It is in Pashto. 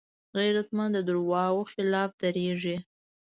غیرتمند د دروغو خلاف دریږي